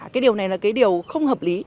cái điều này là cái điều không hợp lý